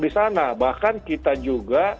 di sana bahkan kita juga